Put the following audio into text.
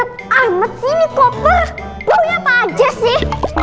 kamu mending bawain kopernya prinsip ya atau kamu